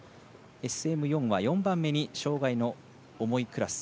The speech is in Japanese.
ＳＭ４は４番目に障がいの重いクラス。